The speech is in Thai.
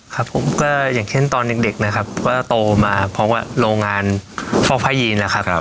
ครับผมก็อย่างเช่นตอนเด็กนะครับก็โตมาพร้อมกับโรงงานพวกพระยีนแล้วครับ